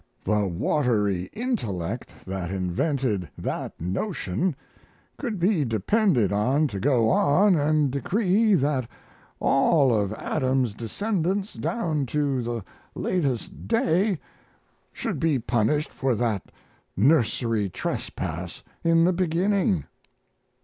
The watery intellect that invented that notion could be depended on to go on and decree that all of Adam's descendants down to the latest day should be punished for that nursery trespass in the beginning.